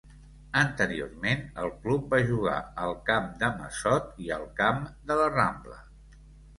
Anteriorment el club va jugar al Camp de Massot i al Camp de La Rambla.